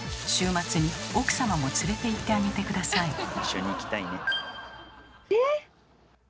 週末に奥様も連れていってあげて下さい。